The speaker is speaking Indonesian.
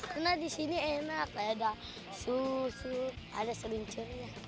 karena disini enak ada susu ada serinconya